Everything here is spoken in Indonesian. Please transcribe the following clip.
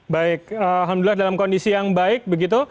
baik alhamdulillah dalam kondisi yang baik begitu